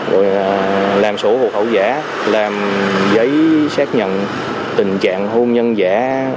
rồi làm sổ hồ khẩu giả làm giấy xác nhận tình trạng hôn nhân giả